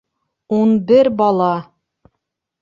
Ун бер бала!